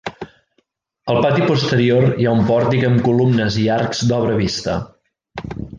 Al pati posterior hi ha un pòrtic amb columnes i arcs d'obra vista.